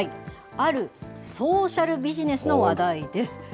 あるソーシャルビジネスの話題です。